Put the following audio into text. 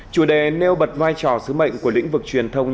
chủ đề nêu bật vai trò sứ mệnh của lĩnh vực truyền thông